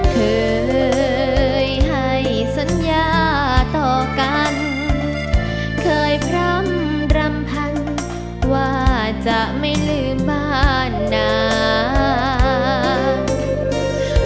เคยให้สัญญาต่อกันเคยพร่ำรำพังว่าจะไม่ลืมบ้านไหน